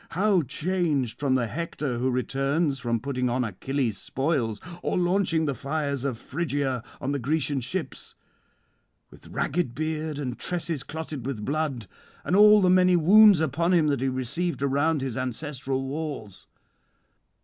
how changed from the Hector who returns from putting on Achilles' spoils, or launching the fires of Phrygia on the Grecian ships! with ragged beard and tresses clotted with blood, and all the many wounds upon him that he received around his ancestral walls.